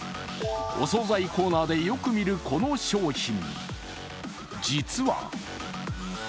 お総菜コーナーでよく見るこの商品。